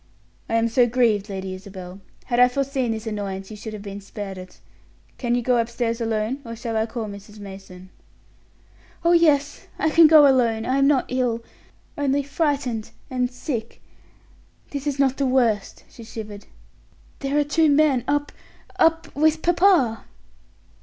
"I am so grieved, Lady Isabel! Had I foreseen this annoyance, you should have been spared it. Can you go upstairs alone, or shall I call Mrs. Mason?" "Oh, yes! I can go alone; I am not ill, only frightened and sick. This is not the worst," she shivered. "There are two men up up with papa."